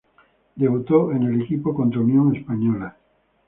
Debutó en el equipo contra Unión Española.